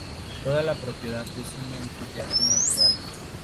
Toda la propiedad es un anfiteatro natural.